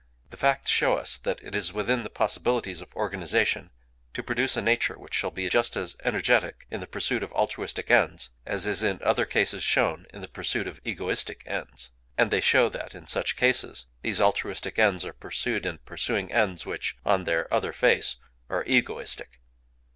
[The facts] show us that it is within the possibilities of organization to produce a nature which shall be just as energetic in the pursuit of altruistic ends, as is in other cases shown in the pursuit of egoistic ends;—and they show that, in such cases, these altruistic ends are pursued in pursuing ends which, on their other face, are egoistic.